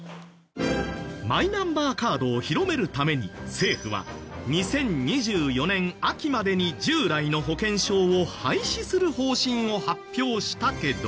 マイナンバーカードを広めるために政府は２０２４年秋までに従来の保険証を廃止する方針を発表したけど。